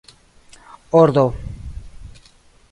ordo